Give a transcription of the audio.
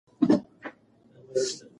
بله پوښتنه د سرطان په اړه ده.